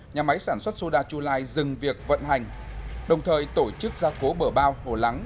nhà máy sản xuất soda chu lai dừng việc vận hành đồng thời tổ chức gia cố bờ bao hồ lắng